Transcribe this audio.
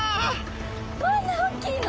こんなおっきいの？